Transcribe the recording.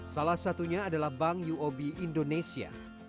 salah satunya adalah bank uob indonesia